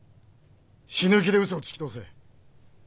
死ぬ気で嘘をつき通せ。